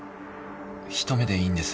一目でいいんです。